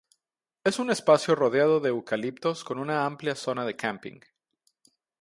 Es un espacio rodeado de eucaliptos con una amplia zona de camping.